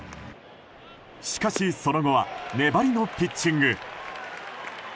しかしその後は粘りのピッチング。